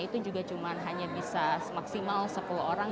itu juga cuma hanya bisa maksimal sepuluh orang